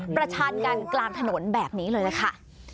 ชันกันกลางถนนแบบนี้เลยล่ะค่ะ